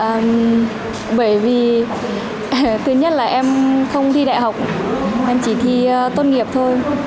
dạ bởi vì thứ nhất là em không thi đại học em chỉ thi tốt nghiệp thôi